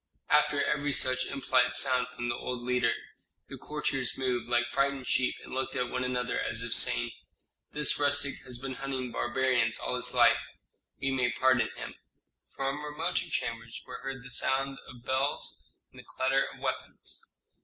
After every such impolite sound from the old leader, the courtiers moved, like frightened sheep, and looked at one another, as if saying, "This rustic has been hunting barbarians all his life, we may pardon him." From remoter chambers were heard the sound of bells and the clatter of weapons.